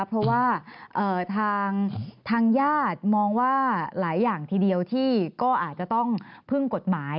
เพราะว่าทางญาติมองว่าหลายอย่างทีเดียวที่ก็อาจจะต้องพึ่งกฎหมาย